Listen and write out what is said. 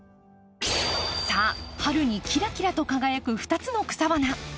さあ春にキラキラと輝く２つの草花。